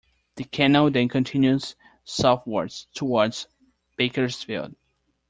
The canal then continues southwards towards Bakersfield.